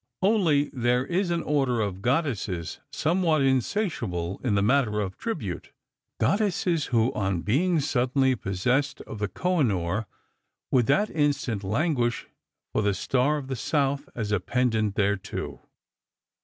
Only there is an order of goddesses somewhat insatiable in the matter of tribute; goddesses who, on being suddenly possessed of the Koh i noor, would that instant lan guish for the Star of the South, as a pendant thereto.